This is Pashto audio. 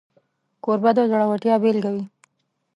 کوربه د زړورتیا بيلګه وي.